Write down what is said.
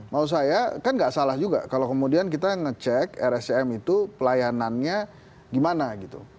mau saya kan nggak salah juga kalau kemudian kita ngecek rscm itu pelayanannya gimana gitu